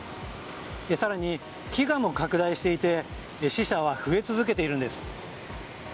更に、飢餓も拡大していて死者は増え続けているんです。